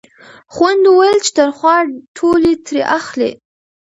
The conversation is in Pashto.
خویندو ویل چې تنخوا ټولې ترې اخلئ.